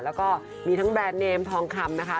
แล้วก็มีทั้งแบรนด์เนมทองคำนะคะ